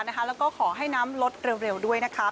แล้วก็ขอให้น้ำลดเร็วด้วยนะคะ